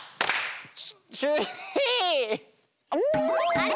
あれ？